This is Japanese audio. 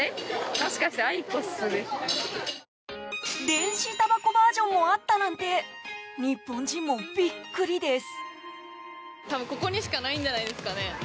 電子たばこバージョンもあったなんて日本人もビックリです。